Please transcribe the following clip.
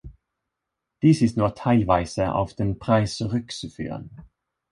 Dies ist nur teilweise auf den Preis zurückzuführen.